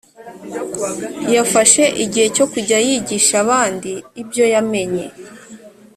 yafashe igihe cyo kujya yigisha abandi ibyo yamenye